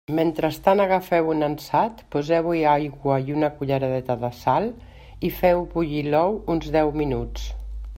Mentrestant agafeu un ansat, poseu-hi aigua i una culleradeta de sal, i feu-hi bullir l'ou uns deu minuts.